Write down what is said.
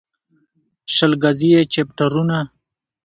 شل ګزي يې چپټرونه